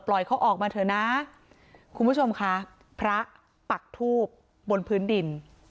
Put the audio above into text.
เขาออกมาเถอะนะคุณผู้ชมค่ะพระปักทูบบนพื้นดิน